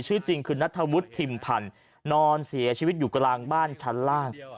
ชื่อจริงคือนัทธวุฒิทิมพันธ์นอนเสียชีวิตอยู่กลางบ้านชั้นล่าง